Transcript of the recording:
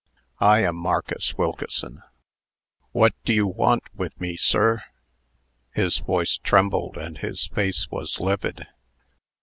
"I am Marcus Wilkeson. What do you want with me, sir?" His voice trembled, and his face was livid.